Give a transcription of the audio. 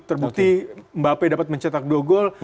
terbukti mbak pe dapat mencetak dua gol